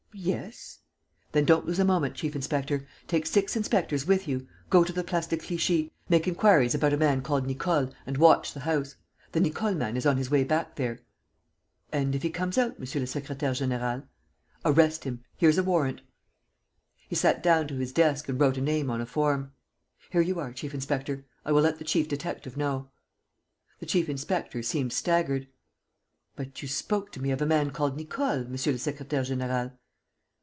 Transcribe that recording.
"Yes." "Then don't lose a moment, chief inspector. Take six inspectors with you. Go to the Place de Clichy. Make inquiries about a man called Nicole and watch the house. The Nicole man is on his way back there." "And if he comes out, monsieur le secrétaire; général?" "Arrest him. Here's a warrant." He sat down to his desk and wrote a name on a form: "Here you are, chief inspector. I will let the chief detective know." The chief inspector seemed staggered: "But you spoke to me of a man called Nicole, monsieur le secrétaire; général."